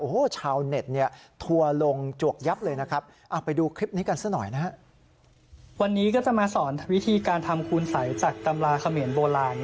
โอ้โฮชาวเน็ตเนี่ยถั่วลงจวกยับเลยนะครับ